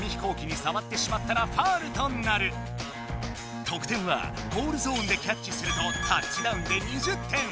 ただし得点はゴールゾーンでキャッチすると「タッチダウン」で２０点！